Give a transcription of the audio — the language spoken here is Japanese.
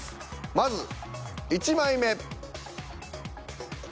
まず１枚目。